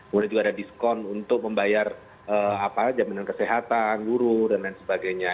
kemudian juga ada diskon untuk membayar jaminan kesehatan guru dan lain sebagainya